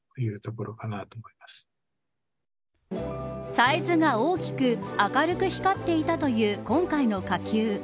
サイズが大きく明るく光っていたという今回の火球。